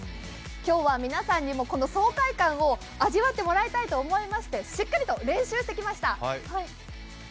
今日は皆さんにもこの爽快感を味わってもらいたいと思いまして、しっかりと練習してきました。